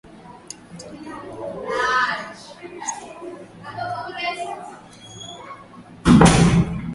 Katika karne za mwanzo baada ya kristo walifika kwa awamu kutoka magharibi